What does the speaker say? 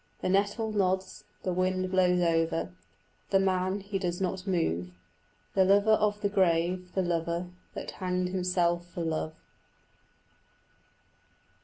The nettle nods, the wind blows over, The man, he does not move, The lover of the grave, the lover That hanged himself for love.